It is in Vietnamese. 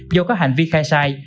do các hành vi khai sai